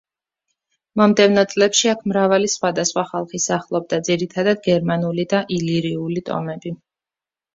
მომდევნო წლებში აქ მრავალი სხვადასხვა ხალხი სახლობდა, ძირითადად გერმანული და ილირიული ტომები.